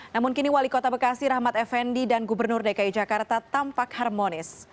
namun kini wali kota bekasi rahmat effendi dan gubernur dki jakarta tampak harmonis